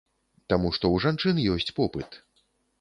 Таму што ў жанчын ёсць попыт.